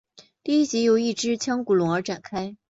第一集由一只腔骨龙而展开。